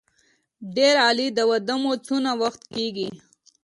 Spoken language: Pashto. ډېر عالي د واده مو څونه وخت کېږي.